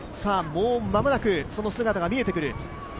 もう間もなくその姿が見えてくる。